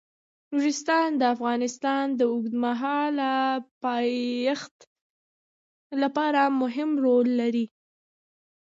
نورستان د افغانستان د اوږدمهاله پایښت لپاره مهم رول لري.